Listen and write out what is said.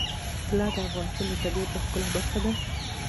طلا د افغانستان د طبیعت د ښکلا برخه ده.